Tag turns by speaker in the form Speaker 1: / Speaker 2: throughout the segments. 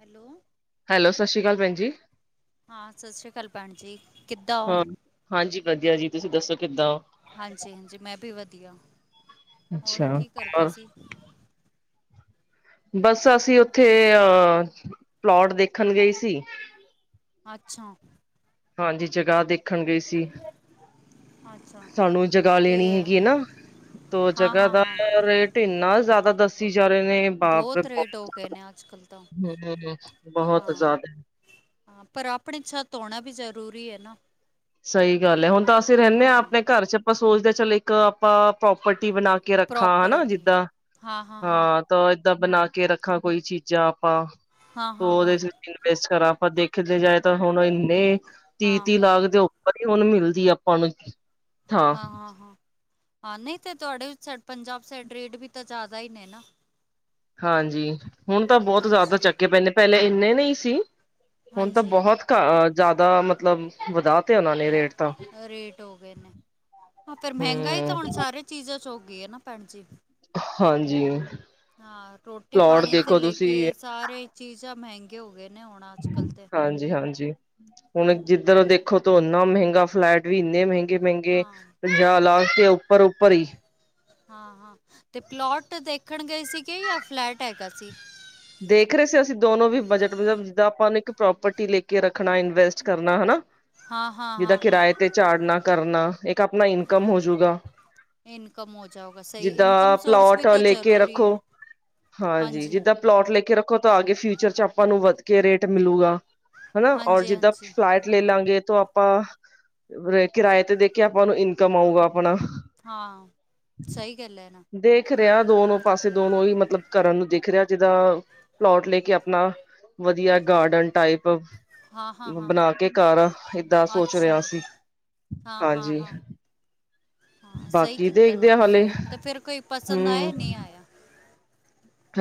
Speaker 1: Hello
Speaker 2: hello ਸਤਿ ਸ਼੍ਰੀ ਅਕਾਲ ਭੈਣ ਜੀ
Speaker 1: ਹਾਂ ਸਤਿ ਸ਼੍ਰੀ ਅਕਾਲ ਭੈਣ ਜੀ ਕਿੱਦਾਂ ਹੋ
Speaker 2: ਹਾਂ ਹਾਂਜੀ ਵਧੀਆ ਜੀ ਤੁਸੀਂ ਦੱਸੋ ਕਿੱਦਾਂ ਹੋ
Speaker 1: ਹਾਂਜੀ ਹਾਂਜੀ ਮੈਂ ਵੀ ਵਧੀਆ ਹੋਰ
Speaker 2: ਅੱਛਾ,
Speaker 1: ਕੀ ਕਰਦੇ
Speaker 2: ਹੋਰ
Speaker 1: ਸੀ
Speaker 2: ਬਸ ਅਸੀਂ ਉੱਥੇ ਅਹ ਪਲਟ ਦੇਖਣ ਗਈ ਸੀ
Speaker 1: ਅੱਛਾ
Speaker 2: ਹਾਂਜੀ, ਜਗ੍ਹਾ ਦੇਖਣ ਗਈ ਸੀ।
Speaker 1: ਅੱਛਾ
Speaker 2: ਸਾਨੂੰ ਜਗ੍ਹਾ
Speaker 1: ਤੇ
Speaker 2: ਲੈਣੀ ਹੈਗੀ ਏ ਨਾ, ਤੋ
Speaker 1: ਹਾਂ
Speaker 2: ਜਗ੍ਹਾ
Speaker 1: ਹਾਂ
Speaker 2: ਦਾ
Speaker 1: ਹਾਂ
Speaker 2: ਰੇਟ ਇੰਨਾ ਜ਼ਿਆਦਾ ਦੱਸੀ ਜਾ ਰਹੇ ਨੇ ਬਾਪ ਰੇ
Speaker 1: ਬਹੁਤ ਰੇਟ ਹੋ ਗਏ
Speaker 2: ਬਾਪ,
Speaker 1: ਨੇ ਅੱਜ ਕੱਲ੍ਹ ਤਾਂ
Speaker 2: [unintelligible] ਬਹੁਤ
Speaker 1: ਹਾਂ
Speaker 2: ਜ਼ਿਆਦਾ
Speaker 1: ਹਾਂ, ਪਰ ਆਪਣੀ ਛੱਤ ਹੋਣਾ ਵੀ ਜ਼ਰੂਰੀ ਏ ਨਾ।
Speaker 2: ਸਹੀ ਗੱਲ ਐ, ਹੁਣ ਤਾਂ ਅਸੀਂ ਰਹਿੰਦੇ ਹਾਂ ਆਪਣੇ ਘਰ ਚ। ਆਪਾਂ ਸੋਚਦੇ ਹਾਂ ਚਲ ਇੱਕ ਆਪਾਂ ਪ੍ਰੋਪਰਟੀ ਬਣਾ ਕੇ ਕੇ ਰੱਖਾ ਹੈਨਾ,
Speaker 1: ਪ੍ਰੋਪਰਟੀ
Speaker 2: ਜਿੱਦਾਂ, ਹਾਂ ਤਾਂ ਏਦਾਂ ਬਣਾ ਕੇ ਰੱਖਾ ਕੋਈ ਚੀਜ਼। ਜਾ ਪਾਂ
Speaker 1: ਹਾਂ ਹਾਂ ਹਾਂ
Speaker 2: ਉਹਦੇ ਚ ਇਨਵੈਸਟ ਕਰਾਂ, ਪਰ ਦੇਖਿਆ ਜਾਏ ਤਾਂ ਹੁਣ ਇੰਨੇ
Speaker 1: ਹਾਂ
Speaker 2: ਤੀਹ-ਤੀਹ ਲਾਗ ਦੇ ਹੋ ਵਧੀਆਂ ਹੁਣ ਮਿਲਦੀ ਆਪਾਂ ਨੂੰ। ਥਾਂ
Speaker 1: ਹਾਂ-ਹਾਂ-ਹਾਂ। ਹਾਂ, ਨਹੀਂ ਤੇ ਤੁਹਾਡੇ ਊ ਸਾਈਡ, ਪੰਜਾਬ ਸਾਈਡ ਰੇਟ ਵੀ ਤਾਂ ਜ਼ਿਆਦਾ ਹੀ ਨੇ ਨਾ।
Speaker 2: ਹਾਂਜੀ, ਹੁਣ ਤਾਂ ਬਹੁਤ ਜ਼ਿਆਦਾ
Speaker 1: ਹਾਂਜੀ
Speaker 2: ਚੱਕੇ ਪਏ ਨੇ। ਪਹਿਲੇ ਇੰਨੇ ਨਹੀਂ ਸੀ, ਹੁਣ ਤਾਂ
Speaker 1: ਹਾਂਜੀ
Speaker 2: ਬਹੁਤ ਘਾ, ਜ਼ਿਆਦਾ ਮਤਲਬ ਵਧਾ ਤੇ ਉਹਨਾਂ ਨੇ ਰੇਟ ਤਾਂ
Speaker 1: ਰੇਟ ਹੋ ਗਏ ਨੇ, ਹਾਂ ਫ਼ੇਰ ਮਹਿੰਗਾਈ ਤਾਂ ਹੁਣ
Speaker 2: ਹੂੰ
Speaker 1: ਸਾਰੇ ਚੀਜ਼ਾਂ ਚ ਹੋ ਗਈ ਏ ਨਾ ਭੈਣ ਜੀ।
Speaker 2: ਹਾਂਜੀ।
Speaker 1: ਹਾਂ, ਰੋਟੀ
Speaker 2: ਪਲੋਟ
Speaker 1: ਪਾਣੀ ਸੇ
Speaker 2: ਦੇਖੋ
Speaker 1: ਲੇ
Speaker 2: ਤੁਸੀਂ
Speaker 1: ਕੇ ਸਾਰੇ ਚੀਜ਼ਾਂ ਮਹਿੰਗੇ ਹੋ ਗਏ ਨੇ ਹੁਣ ਆ।
Speaker 2: ਹਾਂਜੀ ਹਾਂਜੀ, ਹੁਣ ਜਿੱਧਰ
Speaker 1: ਤੇ
Speaker 2: ਦੇਖੋ ਤੋ ਇੰਨਾ ਮਹਿੰਗਾ, ਫਲੈਟ ਵੀ ਇੰਨੇ ਮਹਿੰਗੇ ਮਹਿੰਗੇ-ਮਹਿੰਗੇ,
Speaker 1: ਹਾਂ
Speaker 2: ਪੰਜਾਹ ਲਾਸ ਤੇ ਉੱਪਰ-ਉੱਪਰ ਹੀ।
Speaker 1: ਹਾਂ-ਹਾਂ, ਤੇ ਪਲੋਟ ਤੇ ਦੇਖਣ ਗਏ ਸੀਗੇ ਯਾ ਫਲੈਟ ਹੈਗਾ ਸੀ?
Speaker 2: ਦੇਖ ਰਹੇ ਸੀ ਅਸੀਂ ਦੋਨੋ ਵੀ ਬਜਟ ਮਤਲਬ ਜਿੱਦਾਂ ਆਪਾਂ ਇੱਕ ਪ੍ਰੋਪਰਟੀ ਲੈ ਕੇ ਰੱਖਣਾ, ਇਨਵੈਸਟ ਕਰਨਾ ਹੈਨਾ।
Speaker 1: ਹਾਂ ਹਾਂ
Speaker 2: ਜਿਦਾਂ
Speaker 1: ਹਾਂ ਹਾਂ
Speaker 2: ਕਿਰਾਏ ਤੇ ਚਾੜ੍ਹਨਾ ਕਰਨਾ, ਇੱਕ ਆਪਣਾ ਇਨਕਮ ਹੋਜੂਗਾ।
Speaker 1: ਇੰਕਮ ਹੋ ਜਾਓਗਾ, ਸਹੀ। ਇੰਕਮ
Speaker 2: ਜਿੱਦਾਂ
Speaker 1: ਸੋਰਸ ਵੀ
Speaker 2: ਪਲੋਟ
Speaker 1: ਤਾਂ
Speaker 2: ਲੈ ਕੇ
Speaker 1: ਜ਼ਰੂਰੀ
Speaker 2: ਰੱਖੋ
Speaker 1: ਹੈ।
Speaker 2: ਹਾਂਜੀ, ਜਿੱਦਾਂ ਪਲੋਟ ਲੈਕੇ ਰੱਖੋ ਤਾਂ ਆਗੇ ਫਿਊਚਰ ਚ ਆਪਾਂ ਨੂੰ ਵੱਧ ਕੇ ਰੇਟ ਮਿਲੂਗਾ। ਹੈਨਾ, ਔਰ
Speaker 1: ਹਾਂਜੀ
Speaker 2: ਜਿੱਦਾਂ
Speaker 1: ਹਾਂਜੀ
Speaker 2: ਪਲਾਟ ਲੈ ਲਾਂਗੇ ਤੋ ਆਪਾਂ ਕਿਰਾਏ ਤੇ ਦੇ ਕੇ ਆਪਾਂ ਨੂੰ ਇਨਕਮ ਆਊਗਾ ਆਪਣਾ।
Speaker 1: ਹਾਂ। ਸਹੀ ਗੱਲ ਹੈ ਨਾ।
Speaker 2: ਦਿਖ ਰਿਹਾ ਦੋਨੋ ਪਾਸੇ, ਦੋਨੋ ਹੀ ਮਤਲਬ ਕਰਨ ਨੂੰ ਦਿਖ ਰਿਹਾ। ਜਿਦਾਂ, ਪਲੋਟ ਲੈਕੇ ਆਪਣਾ ਵਧੀਆ ਗਾਰਡਨ ਟਾਈਪ
Speaker 1: ਹਾਂ ਹਾਂ ਹਾਂ
Speaker 2: ਬਣਾ ਕੇ ਘਰ, ਏਦਾਂ ਸੋਚ
Speaker 1: ਅੱਛਾ
Speaker 2: ਰਿਹਾ ਸੀ।
Speaker 1: ਹਾਂ -ਹਾਂ-
Speaker 2: ਹਾਂਜੀ
Speaker 1: ਹਾਂ ਹਾਂ ਸਹੀ
Speaker 2: ਬਾਕੀ
Speaker 1: ਕੀਤਾ ਨਾ
Speaker 2: ਦੇਖਦੇ ਆ
Speaker 1: ਤੁਸੀਂ
Speaker 2: ਹਾਲੇ
Speaker 1: ਤੇ ਫੇਰ ਕੋਈ ਪਸੰਦ ਆਇਆ
Speaker 2: ਹੂੰ
Speaker 1: ਨਹੀਂ ਆਇਆ।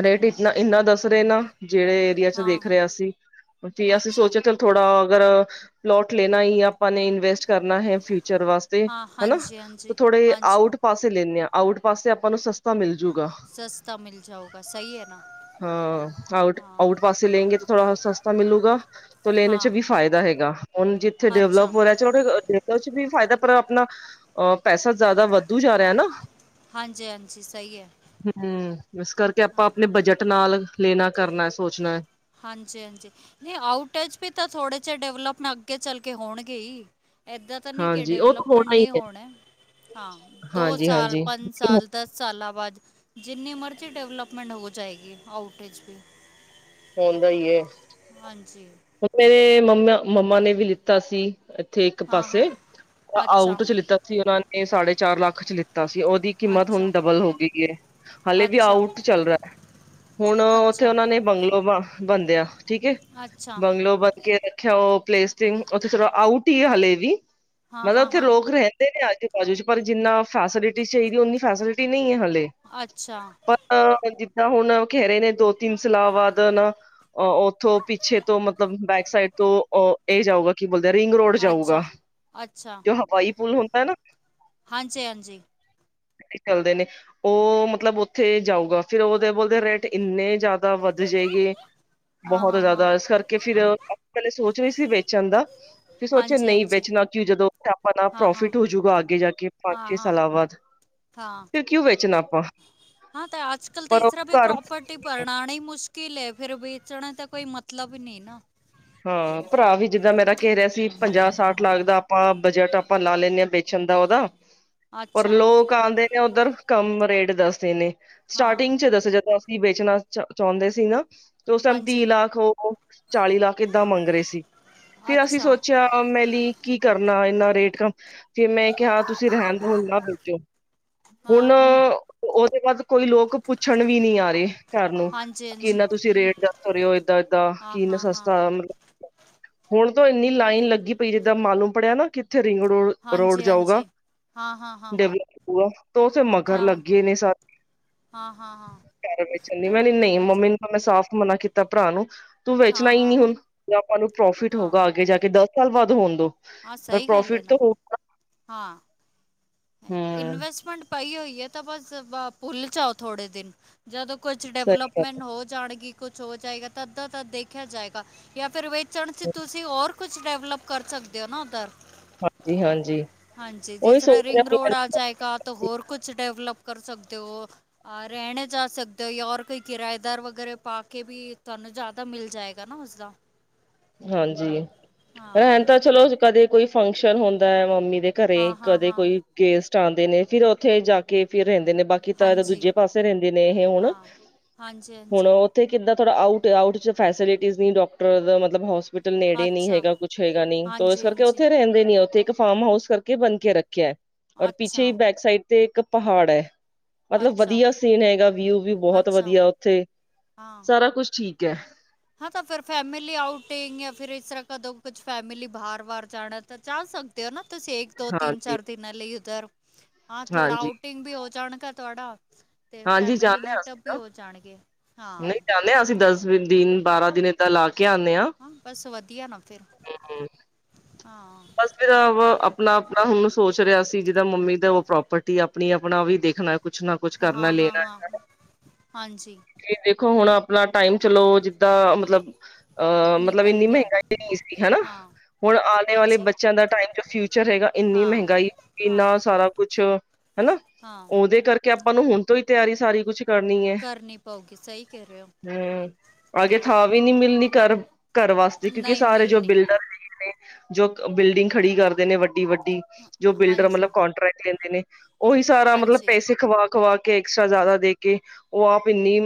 Speaker 2: ਰੇਟ ਇੰਨਾ ਦੱਸ ਰਹੇ ਨਾ ਜਿਹੜੇ ਏਰੀਆ ਚ
Speaker 1: ਹਾਂ
Speaker 2: ਵੇਖ ਰਹੇ ਆਂ ਅਸੀਂ ਜੇ ਅਸੀਂ
Speaker 1: ਅੱਛਾ
Speaker 2: ਸੋਚੀਏ ਤੇ। ਥੋੜਾ ਅਗਰ ਪਲੋਟ ਲੈਣਾ ਹੀ ਆਪਾਂ ਨੇ। ਇਨਵੈਸਟ ਕਰਨਾ ਹੈ ਫਿਊਚਰ ਵਾਸਤੇ
Speaker 1: ਹਾਂ
Speaker 2: ਹਨਾ
Speaker 1: ਹਾਂਜੀ ਹਾਂਜੀ
Speaker 2: ਥੋੜੇ ਜਿਹਾ
Speaker 1: ਹਾਂਜੀ
Speaker 2: ਆਊਟ ਪਾਸੇ ਲੈਂਨੇ ਹਾਂ ਆਊਟ ਪਾਸੇ ਆਪਾਂ ਨੂੰ ਸਸਤਾ ਮਿਲਜੂਗਾ।
Speaker 1: ਸਸਤਾ ਮਿਲ ਜਾਊਗਾ ਸਹੀ ਹੈ ਨਾ।
Speaker 2: ਹਾਂ ਆਊਟ-
Speaker 1: ਹਾਂ
Speaker 2: ਆਊਟ ਪਾਸੇ ਲੈਂਗੇ ਤਾਂ ਥੋੜਾ ਸਸਤਾ ਮਿਲੂਗਾ। ਤੋਂ ਲੈਣੇ ਚ
Speaker 1: ਹਾਂ
Speaker 2: ਵੀ ਫਾਇਦਾ ਹੈਗਾ ਹੁਣ ਜਿੱਥੇ
Speaker 1: ਅੱਛਾ
Speaker 2: ਡੈਵਲਪ ਹੋ ਰਿਹਾ [unintelligible] ਚ ਵੀ ਫਾਇਦਾ ਪਰ ਆਪਣਾ ਅ ਪੈਸਾ ਜ਼ਿਆਦਾ ਵੱਧ
Speaker 1: ਹਾਂ, ਹਾਂਜੀ-ਹਾਂਜੀ, ਸਹੀ ਹੈ।
Speaker 2: ਹੂ ਇਸ ਕਰਕੇ ਆਪਾਂ ਆਪਣੇ ਬਜਟ ਨਾਲ ਲੈਣਾ ਕਰਨਾ ਸੋਚਣਾ।
Speaker 1: ਹਾਂਜੀ- ਹਾਂਜੀ ਨਹੀਂ ਆਊਟ ਚ ਵੀ ਤਾਂ ਥੋੜ੍ਹੇ ਚ ਡੈਵਲਪ ਨਾਲ ਅੱਗੇ ਚੱਲ ਕੇ ਹੋਣਗੇ ਹੀ। ਏਦਾਂ ਤਾਂ ਨੀ ਕੇ
Speaker 2: ਹਾਂਜੀ ਉਹ ਤਾਂ
Speaker 1: ਡੈਵਲਪਮੈਂਟ
Speaker 2: ਹੋਣਾ ਹੀ
Speaker 1: ਨਹੀਂ ਹੋਣੇ ਹਾਂ ਦੋ ਸਾਲ
Speaker 2: ਹਾਂਜੀ-ਹਾਂਜੀ
Speaker 1: ਪੰਜ ਸਾਲ ਦਸ ਸਾਲਾਂ ਬਾਅਦ ਜਿੰਨੀ ਮਰਜ਼ੀ ਡਿਵਲਪਮੈਂਟ ਹੋ ਜਾਏਗੀ ਆਊਟਜ ਵੀ
Speaker 2: ਹੁੰਦਾ ਹੀ ਏ।
Speaker 1: ਹਾਂਜੀ।
Speaker 2: ਮੇਰੇ ਮੰਮਾ -ਮੰਮਾ ਨੇ ਵੀ ਲਿੱਤਾ ਸੀ। ਉੱਥੇ ਇੱਕ
Speaker 1: ਹਾਂ ਹਾਂ
Speaker 2: ਪਾਸੇ
Speaker 1: ਅੱਛਾ
Speaker 2: ਆਊਟ ਚ ਲਿੱਤਾ ਸੀ। ਉਹਨਾਂ ਨੇ ਸਾਢੇ ਚਾਰ ਲੱਖ ਚ ਲਿੱਤਾ ਸੀ ਉਹ। ਦੀ ਕੀਮਤ ਹੁਣ
Speaker 1: ਅੱਛਾ
Speaker 2: ਡਬਲ ਹੋ ਗਈ ਹੈ ਹਾਲੇ ਵੀ
Speaker 1: ਅੱਛਾ
Speaker 2: ਆਊਟ ਚੱਲ ਰਹਾ। ਹੁਣ ਉਥੇ
Speaker 1: ਅੱਛਾ
Speaker 2: ਉਹਨਾਂ ਨੇ ਬੰਗਲੋ ਬ ਬਣਦੇ ਆ ਠੀਕ ਏ।
Speaker 1: ਅੱਛਾ
Speaker 2: ਬੰਗ ਤੋ ਬਾਕੀ ਇੱਥੇ ਉਹ ਪਲੇਸਟਿੰਗ ਉੱਥੇ ਥੋੜਾ ਆਊਟ ਹੀ ਹੈ ਹਾਲੇ ਵੀ।
Speaker 1: ਹਾਂ
Speaker 2: ਮਤਲਬ
Speaker 1: ਹਾਂ
Speaker 2: ਉੱਥੇ
Speaker 1: ਹਾਂ
Speaker 2: ਲੋਕ ਰਹਿੰਦੇ ਨੇ ਆਜੂ -ਬਾਜੂ ਚ ਪਰ ਜਿੰਨਾ ਫੈਸਿਲਿਟੀ ਚਾਹੀਦੀ ਹੈ। ਓਨੀ ਫੈਸਿਲਿਟੀ ਨਹੀਂ ਹੈ ਹਾਲੇ।
Speaker 1: ਅੱਛਾ।
Speaker 2: ਆਪਾਂ ਜਿੱਦਾਂ ਹੁਣ ਓ ਕਹਿ ਰਹੇ ਨੇ ਦੋ ਤਿੰਨ ਸਲਾ ਬਾਅਦ ਉਦਾਂ ਨਾ ਉੱਥੋਂ ਪਿੱਛੇ ਤੋਂ ਮਤਲਬ ਬੈਕ ਸਾਈਡ ਤੋਂ ਅ ਏ ਜਾਊਗਾ ਕੀ ਬੋਲਦੇ ਆ ਰਿੰਗ ਰੋਡ ਜਾਊਗਾ
Speaker 1: ਅੱਛਾ ਅੱਛਾ
Speaker 2: ਜੋ ਹਵਾਈ ਪੁਲ ਹੁੰਦਾ ਹੈ ਨਾ।
Speaker 1: ਹਾਂਜੀ -ਹਾਂਜੀ।
Speaker 2: ਇਦਾਂ ਹੀ ਚੱਲਦੇ ਨੇ ਉ ਮਤਲਬ ਉੱਥੇ ਜਾਊਗਾ ਫਿਰ ਉਹਦੇ ਬੋਲਦੇ ਰੇਟ ਇੰਨੇ ਜ਼ਿਆਦਾ ਵ ਦਈਏ
Speaker 1: ਹਾਂ
Speaker 2: ਬਹੁਤ
Speaker 1: ਹਾਂ ਹਾਂ
Speaker 2: ਜਾਦਾ ਇਸ ਕਰਕੇ ਫਿਰ ਆਪਾਂ ਪਹਿਲੇ ਸੋਚ ਰਹੇ ਸੀ ਵੇਚਣ ਦਾ। ਫਿਰ ਸੋਚਿਆ
Speaker 1: ਹਾਂਜੀ
Speaker 2: ਨਹੀਂ
Speaker 1: ਹਾਂਜੀ
Speaker 2: ਵੇਚਣਾ ਕਿ ਜਦੋਂ ਆਪਾਂ ਨਾਲ
Speaker 1: ਹਾਂ ਹਾਂ
Speaker 2: ਪ੍ਰੋਫਿਟ ਹੋਜੂਗਾ ਅੱਗੇ ਜਾ ਕੇ ਪੰਜ
Speaker 1: ਹਾਂ
Speaker 2: ਛੇ
Speaker 1: ਹਾਂ
Speaker 2: ਸਾਲਾਂ ਬਾਅਦ।
Speaker 1: ਹਾਂ।
Speaker 2: ਫਿਰ ਕਿਉਂ ਵੇਚਣਾ ਆਪਾਂ।
Speaker 1: ਹਾਂ ਤੇ ਅੱਜ ਕੱਲ੍ਹ ਤੇ
Speaker 2: ਪਰ
Speaker 1: ਇਸ
Speaker 2: ਉਹ
Speaker 1: ਤਰਾਂ ਵੀ
Speaker 2: ਘਰ
Speaker 1: ਪ੍ਰੋਪਰਟੀ ਬਣਾਣੀ ਮੁਸ਼ ਕਿਲ ਏ ਫਿਰ ਵੇਚਣਾ ਦਾ ਕੋਈ ਮਤਲਬ ਨਹੀਂ ਨਾ।
Speaker 2: ਹਾਂ ਭਰਾ ਵੀ ਜਿੱਦਾਂ ਮੇਰਾ ਕਹਿ ਰਿਹਾ ਸੀ। ਪੰਜਾਹ ਸਠ ਲੱਖ ਦਾ ਆਪਾਂ ਬਜਟ ਆਪਾਂ ਲਾ ਲੈਂਦੇ ਆਂ ਬੇਚਣ ਦਾ ਉਹਦਾ। ਪਰ
Speaker 1: ਅੱਛਾ
Speaker 2: ਲੋਕ ਆਂਦੇ ਨੇ ਉੱਧਰ ਕੰਮ ਰੇਟ ਦੱਸਦੇ ਨੇ।
Speaker 1: ਹਾਂ
Speaker 2: ਸਟਾਟਿੰਗ ਚ ਦੱਸ ਜਦ ਤੀਹ ਵੇਚਣਾ ਚ ਚਾਹੁੰਦੇ ਸੀ ਨਾ ਤੇ ਉਸ ਟਾਈਮ
Speaker 1: ਹਾਂਜੀ
Speaker 2: ਤੀਹ ਲੱਖ ਹੋ ਚਾਲੀ ਲੱਖ ਕਿੱਦਾਂ ਮੰਗ ਰਹੇ ਸੀ ਫਿਰ ਅਸੀਂ
Speaker 1: ਅੱਛਾ
Speaker 2: ਸੋਚਿਆ ਕਿਆ ਮੈ ਲਈ ਕੀ ਕਰਨਾ ਇੰਨਾ ਰੇਟ ਕੰਮ ਜੇ ਮੈਂ ਕਿਹਾ ਤੁਸੀਂ ਰਹਿਣ ਦੋ ਹੁਣ ਨਾ ਬੇਚੋ
Speaker 1: ਹਾਂ
Speaker 2: ਹੁਣ ਉਹਦੇ ਬਾਅਦ ਕੋਈ ਲੋਕ ਪੁੱਛਣ ਵੀ ਨੀ ਆ ਰਹੇ ਕਰ ਲੌ
Speaker 1: ਹਾਂਜੀ
Speaker 2: ਕਿ
Speaker 1: ਹਾਂਜੀ
Speaker 2: ਇੰਨਾ ਤੁਸੀਂ ਰੇਟ ਪਰ ੳ ਏਦਾਂ- ਏਦਾਂ
Speaker 1: ਹਾਂ
Speaker 2: ਕਿ ਇੰਨਾ
Speaker 1: ਹਾਂ
Speaker 2: ਸਸ
Speaker 1: ਹਾਂ
Speaker 2: ਹੁਣ ਤਾਂ ਇੰਨੀ ਲਾਈਨ ਲੱਗੀ ਪਈ ਜਿੱਦਾਂ ਮਾਲੂਮ ਪੜ੍ਹਿਆ ਨਾ ਕਿ ਉੱਥੇ ਰਿੰਗ ਰੋਡ- ਰੋਡ
Speaker 1: ਹਾਂਜੀ
Speaker 2: ਜਾਊਗਾ।
Speaker 1: ਹਾਂਜੀ ਹਾਂ- ਹਾਂ- ਹਾਂ।
Speaker 2: ਡੇਵਲਪ ਹੁਆ ਤੋ ਉਥੇ ਮਗਰ
Speaker 1: ਹਾਂ
Speaker 2: ਲੱਗੇ ਨੇ ਸਾਰੇ।
Speaker 1: ਹਾਂ ਹਾਂ ਹਾਂ
Speaker 2: [inaudible] ਨਹੀਂ
Speaker 1: ਅੱਛਾ
Speaker 2: ਮੰਮੀ ਮੈਂ ਸਾਫ਼ ਮਨਾ ਕੀਤਾ ਭਰਾ ਨੂੰ ਤੂੰ ਵੇਚਣਾ
Speaker 1: ਹਾਂ
Speaker 2: ਹੀ
Speaker 1: ਹਾਂ
Speaker 2: ਨੀ
Speaker 1: ਹਾਂ
Speaker 2: ਹੁਣ ਜਾਂਦੋ ਆਪਾਂ ਨੂੰ ਪ੍ਰੋਫਿਟ
Speaker 1: ਹਾਂ
Speaker 2: ਹੋਊਗਾ ਅੱਗੇ ਜਾ ਕੇ ਦੱਸ ਸਾਲ ਬਾਅਦ ਹੋਣ ਦੋ,
Speaker 1: ਹਾਂ
Speaker 2: ਪਰ
Speaker 1: ਸਹੀ ਗੱਲ ਹੈ
Speaker 2: ਪ੍ਰੋਫਿਟ
Speaker 1: ਨਾ
Speaker 2: ਤਾਂ ਹੋ
Speaker 1: ਹਾਂ ਇਨਵੈਸਟਮੈਂਟ ਪਈ ਹੋਈ ਹੈ ਤਾਂ ਬਸ ਪੁੱਲ ਜਾਓ ਥੋੜ੍ਹੇ ਦਿਨ। ਜਦੋਂ ਕੁਛ
Speaker 2: ਸਹੀ ਗੱਲ ਹੈ।
Speaker 1: ਡਿਵਲਪਮੈਂਟ ਹੋ ਜਾਣਗੀ ਕੁਛ ਹੋ ਜਾਏਗਾ ਤਾਂ ਤਧ ਦਾ ਤਧ ਦੇਖਿਆ ਜਾਏਗਾ ਜਾਂ ਫਿਰ ਵੇਚਣ ਚ ਤੁਸੀਂ ਹੋਰ ਕੁਛ ਕੁ ਡੈਵਲਪ ਕਰ ਸਕਦੇ ਹੋ ਨਾ ਉੱਧਰ।
Speaker 2: ਹਾਂਜੀ, ਹਾਂਜੀ ਉਹੀ
Speaker 1: ਤਰ੍ਹਾਂ
Speaker 2: ਸੋਚ ਰਿਹਾ
Speaker 1: ਰਿੰਗ ਰੋਡ ਆ ਜਾਏਗਾ,
Speaker 2: ਪਲੈਨਿੰਗ।
Speaker 1: ਹੋਰ ਕੁਛ ਡਿਵਲਪ ਕਰ ਸਕਦੇ ਓ। ਅ ਰਹਿਣੇ ਜਾ ਸਕਦੇ ਹੋ। ਜਾਂ, ਔਰ ਕੋਈ ਕਿਰਾਏਦਾਰ ਵਗੈਰਾ ਪਾ ਕੇ ਵੀ ਤੁਹਾਨੂੰ ਜ਼ਿਆਦਾ ਮਿਲ ਜਾਏਗਾ। ਗਾ ਨਾ ਉਸਦਾ
Speaker 2: ਹਾਂਜੀ
Speaker 1: ਹਾਂ
Speaker 2: ਰਣ ਤਾਂ ਚਲੋ ਕਦੇ ਕੋਈ ਫੰਕਸ਼ਨ ਹੁੰਦਾ ਹੈ ਮੰਮੀ ਦੇ ਘਰੇ
Speaker 1: ਹਾਂ ਹਾਂ
Speaker 2: ਕਦੇ
Speaker 1: ਹਾਂ
Speaker 2: ਕੋਈ ਗੇਸਟ ਆਉਂਦੇ ਨੇ ਫਿਰ ਉੱਥੇ ਜਾ ਕੇ ਫਿਰ ਰਹਿੰਦੇ ਨੇ ਬਾਕ ਕੀਤਾ ਏ ਤਾਂ
Speaker 1: ਹਾਂਜੀ
Speaker 2: ਦੂਜੇ ਪਾਸੇ ਰਹਿੰਦੇ ਨੇ ਇਹ ਹੁਣ
Speaker 1: ਹਾਂ ਹਾਂਜੀ
Speaker 2: ਹੁਣ
Speaker 1: ਹਾਂਜੀ
Speaker 2: ਉਹ ਤੇ ਕਿੱਦਾਂ ਥੋੜ੍ਹਾ ਆਊਟ ਆਊਟ ਫੈਸਲਿਟੀਜ਼ ਨੀ ਡੋਕਟਰ ਦਾ ਮਤਲਬ ਹੋਸ ਨੇੜੇ ਨੀ
Speaker 1: ਅੱਛਾ
Speaker 2: ਹੈਗਾ। ਕੁੱਛ ਹੈਗਾ ਨੀ, ਤਾ ਇਸ
Speaker 1: ਹਾਂਜੀ
Speaker 2: ਕਰਕੇ
Speaker 1: ਹਾਂਜੀ
Speaker 2: ਉੱਥੇ ਰਹਿੰਦੇ ਨੀ ਉੱਥੇ ਇੱਕ ਫਾਰਮ ਹਾਊਸ ਕਰਕੇ ਬੰਦ ਕਰਕੇ ਰੱਖਿਆ ਏ। ਔਰ ਪਿੱਛੇ ਹੀ
Speaker 1: ਅੱਛਾ
Speaker 2: ਬੈਕ ਸਾਈਡ ਤੇ ਇੱਕ ਪਹਾੜ ਐ। ਮਤਲਬ
Speaker 1: ਅੱਛਾ
Speaker 2: ਵਧੀਆ ਸੀਨ ਹੈਗਾ ਵਿਊ ਵੀ ਬਹੁਤ
Speaker 1: ਅੱਛਾ
Speaker 2: ਵਧੀਆ ਉੱਥੇ,
Speaker 1: ਹਾਂ
Speaker 2: ਸਾਰਾ ਕੁਛ ਠੀਕ ਐ।
Speaker 1: ਹਾਂ ਤਾਂ ਫਿਰ ਫੈਮਲੀ ਆਊਟਿੰਗ ਜਾਂ ਫਿਰ ਇਸ ਤਰ੍ਹਾਂ ਕਦੋਂ ਕੁਛ ਫੈਮਲੀ ਬਾਰ ਵਾਰ ਜਾਣਾ ਤਾਂ ਚ ਸਕਦੇ। ਤੇਓ ਨਾ ਤੁਸੀ ਦੋ, ਤਿੰਨ,
Speaker 2: ਹਾਂਜੀ
Speaker 1: ਚਾਰ ਦਿਨਾਂ ਲਈ ਉਧਰ ਹਾਂ ਥੋੜਾ
Speaker 2: ਹਾਂਜੀ
Speaker 1: ਆਊਟਿੰਗ ਵੀ ਹੋ ਜਾਣ ਗ ਤੁਹਾਡਾ। ਅਤੇ
Speaker 2: ਹਾਂਜੀ
Speaker 1: ਫੈਮਿਲੀ
Speaker 2: ਜਾਂਦੇ ਹਾਂ
Speaker 1: ਮੀਟਅਪ
Speaker 2: ਅਸੀਂ ਤਾਂ
Speaker 1: ਵੀ ਹੋ ਜਾਣਗੇ। ਹਾਂ
Speaker 2: ਨਹੀਂ ਜਾਂਦੇ ਹਾਂ ਅਸੀਂ ਦਸ ਦਿਨ, ਬਾਰਾਂ ਦਿਨ ਦਾਂ ਲਾ ਕੇ ਆਉਦੇ ਆ।
Speaker 1: ਹਾਂ ਬਸ ਵਧੀਆ ਨਾ ਫਿਰ ਹਾਂ ਓਕੇ।
Speaker 2: ਆਪਣਾ, ਆਪਣਾ ਹੁਣ ਸੋਚ ਰਿਹਾ ਸੀ ਜਿਦਾਂ ਮੰਮੀ ਦਾ ਉਹ ਪ੍ਰੋਪਰਟੀ ਆਪਣੀ ਆਪਣਾ ਵੀ ਦੇਖਣਾ। ਕੁਛ ਨਾ ਕੁਛ ਕਰਨਾ
Speaker 1: ਹਾਂ ਹਾਂ
Speaker 2: ਲੈਣਾ
Speaker 1: ਹਾਂ ਹਾਂਜੀ।
Speaker 2: ਦੇਖੋ ਹੁਣ ਆਪਣਾ ਟਾਈਮ ਚਲੋ ਜਿੱਦਾਂ ਮਤਲਬ ਅਹ ਮਤਲਬ
Speaker 1: ਨਿਕਲ
Speaker 2: ਇੰਨੀ
Speaker 1: ਗਿਆ
Speaker 2: ਮਹਿੰਗਾਈ ਨਹੀਂ ਸੀ ਹਨਾ?
Speaker 1: ਹਾਂ
Speaker 2: ਹੁਣ ਵਾਲੇ
Speaker 1: ਹਾਂਜੀ
Speaker 2: ਬੱਚਿਆਂ ਦਾ ਟਮ ਫਿਊਚਰ ਹੈਗਾ। ਇੰਨੀ
Speaker 1: ਹਾਂ
Speaker 2: ਮਹਿੰਗਾਈ,
Speaker 1: ਹਾਂ
Speaker 2: ਇੰਨਾ ਸਾਰਾ ਕੁਛ ਹਨਾ।
Speaker 1: ਹਾਂ
Speaker 2: ਉਹਦੇ ਕਰਕੇ ਆਪਾਂ ਨੂੰ ਹੁਣ ਤੋਂ ਹੀ ਤਿਆਰੀ ਸਾਰੀ ਕੁਛ ਕਰਨੀ ਐ।
Speaker 1: ਕਰਨੀ ਪਊਗੀ ਸਹੀ ਕਹਿ ਰਹੇ ਹੋ
Speaker 2: ਹੂੰ ਅਗੇ
Speaker 1: ਨਾ
Speaker 2: ਥਾਂ ਵੀ ਮਿਲਣੀ ਕਰ ਘਰ ਵਾਸਤੇ ਕਿਉਂਕਿ,
Speaker 1: ਨਹੀਂ
Speaker 2: ਸਾਰੇ ਜੋ
Speaker 1: ਮਿਲਣੀ
Speaker 2: ਬਿਲਡਰ ਵੀਰ ਨੇ ਜੋ ਬਿਲਡਿੰਗ ਖੜੀ ਕਰਦੇ ਨੇ ਵੱਡੀ, ਵੱਡੀ ਜੋ ਬਿਲਡਰ
Speaker 1: ਹਾਂਜੀ
Speaker 2: ਮਤਲਬ ਕੋਂਟੈਕਟ ਲੈਂਦੇ ਨੇ। ਉਹੀ ਸਾਰਾ ਮਤਲਬ
Speaker 1: ਹਾਂਜੀ
Speaker 2: ਪੈਸੇ ਖਵਾ, ਖਵਾ ਕੇ ਐਕਸਟਰਾ ਜ਼ਿਆਦਾ ਦੇ ਕੇ ਉਹ ਆਪ ਇੰਨੀ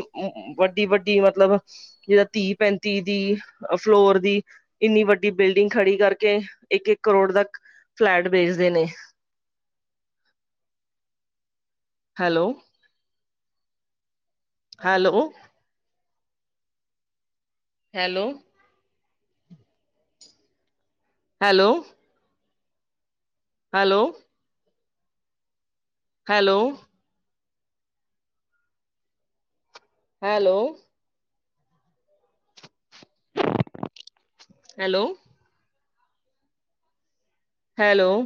Speaker 2: ਵੱਡੀ, ਵੱਡੀ ਮਤਲਬ ਜਿਹੜਾ ਤੀਹ ਪੈਂਤੀ ਦੀ ਫਲੋਰ ਦੀ ਇੰਨੀ ਵੱਡੀ ਬਿਲਡਿੰਗ ਖੜੀ ਕਰਕੇ ਕੇ ਇੱਕ, ਇੱਕ ਕਰੋੜ ਦਾ ਫਲੈਟ ਵੇਚਦੇ ਨੇ। Hello. Hello. Hello. Hello. Hello. Hello. Hello. Hello. Hello.